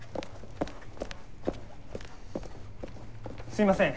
すいません。